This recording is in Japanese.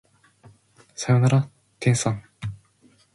さよなら天さん